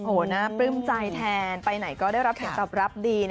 โอ๊ณ่าเปิ้มใจแทนไปไหนก็ได้รับสิ่งตอบรับดี